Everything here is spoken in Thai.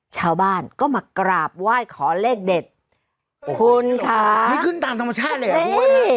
ชาวบ้านก็มากราบไหว้ขอเลขเด็ดคุณค่ะนี่ขึ้นตามธรรมชาติเลยเหรอพี่